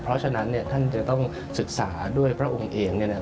เพราะฉะนั้นท่านจะต้องศึกษาด้วยพระองค์เอง